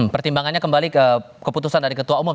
pertimbangannya kembali ke keputusan dari ketua umum